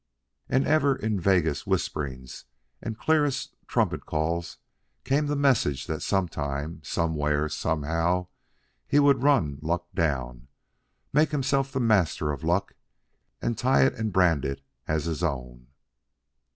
And ever in vaguest whisperings and clearest trumpet calls came the message that sometime, somewhere, somehow, he would run Luck down, make himself the master of Luck, and tie it and brand it as his own.